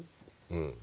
うん。